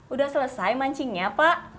udah selesai mancingnya pak